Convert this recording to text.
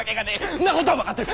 んなこたぁ分かってる。